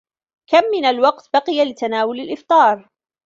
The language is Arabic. كم من الوقت بقي لتناول الإفطار؟